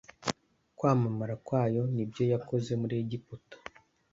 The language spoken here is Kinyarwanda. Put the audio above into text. kwamamara kwayo n ibyo yakoze muri Egiputa